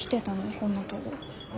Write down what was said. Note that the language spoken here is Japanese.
こんなとご。